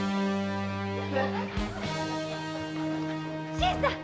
新さん！